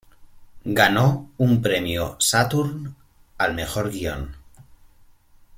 Ganó un premio Saturn al mejor guión.